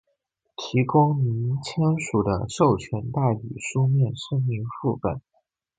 提供您签署的授权代理书面声明副本；